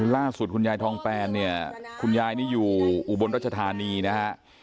คุณยายทองแปนเนี่ยคุณยายนี่อยู่อุบลรัชธานีนะฮะ